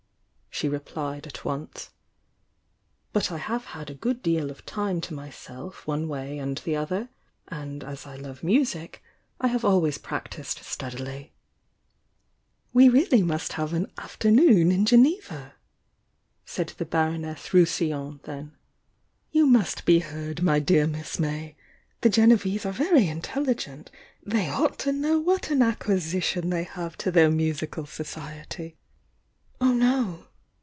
she replied at once. "But I have had a good deal of time to myself one way and the other, and as I love music, I have always practised steadily." "We must really have an 'afternoon' in Geneva," said the Baroness Rousillon then. "You must be heard, my dear Miss May! The Genevese are very intelligent — they ought to know what an acquisition they have to their musical society " "Oh, no!"